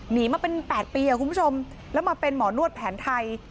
หนีมาเป็น๘ปีคุณผู้ชมแล้วมาเป็นหมอนวดแผนไทย